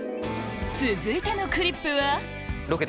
続いてのクリップは？